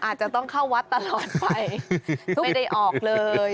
อาจจะต้องเข้าวัดตลอดไปไม่ได้ออกเลย